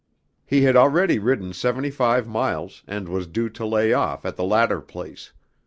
He had already ridden seventy five miles and was due to lay off at the latter place.